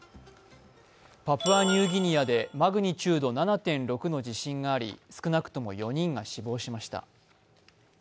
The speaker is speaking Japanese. パプアニューギニアでマグニチュード７．６の地震があり、少なくとも４人が死亡しました。